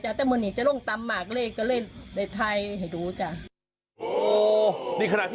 อันนี้สุนัขคอนเฟิร์ม